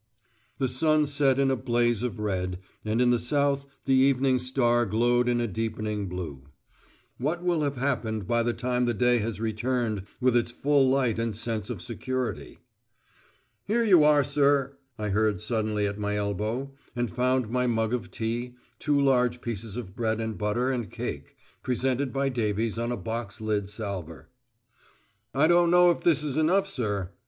The sun set in a blaze of red, and in the south the evening star glowed in a deepening blue. What will have happened by the time the day has returned with its full light and sense of security? "Here you are, sir," I heard suddenly at my elbow, and found my mug of tea, two large pieces of bread and butter and cake, presented by Davies on a box lid salver. "I don't know if this is enough, sir.